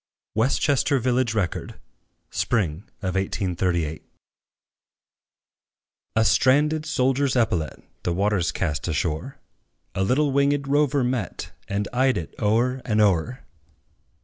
WESTCHESTER VILLAGE RECORD. Spring of 1838. A stranded soldier's epaulet, The waters cast ashore, A little winged rover met, And eyed it o'er and o'er.